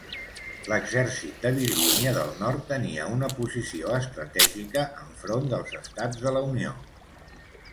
L'exèrcit de Virgínia del Nord tenia una posició estratègica enfront dels Estats de la Unió.